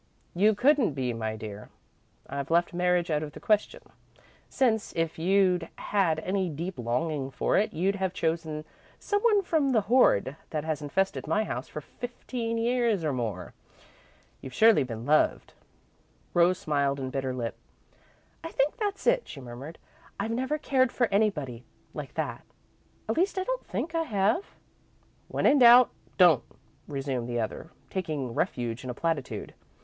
"You couldn't be, my dear. I've left marriage out of the question, since, if you'd had any deep longing for it, you'd have chosen some one from the horde that has infested my house for fifteen years and more. You've surely been loved." Rose smiled and bit her lip. "I think that's it," she murmured. "I've never cared for anybody like that. At least, I don't think I have." "'When in doubt, don't,'" resumed the other, taking refuge in a platitude.